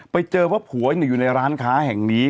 ไปเจอว่าผัวอยู่ในร้านค้าแห่งนี้